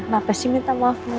kenapa sih minta maaf lu